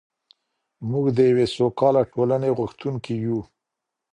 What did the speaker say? موږ د یوې سوکاله ټولنې غوښتونکي یو.